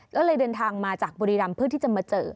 แล้วเลยเดินทางมาจากบริรัมพ์เพื่อที่จะมาเจอ